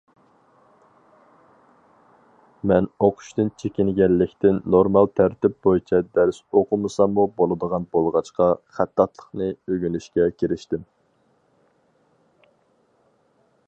مەن ئوقۇشتىن چېكىنگەنلىكتىن نورمال تەرتىپ بويىچە دەرس ئوقۇمىساممۇ بولىدىغان بولغاچقا، خەتتاتلىقنى ئۆگىنىشكە كىرىشتىم.